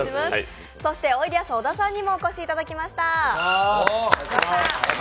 そしておいでやす小田さんにもお越しいただきました。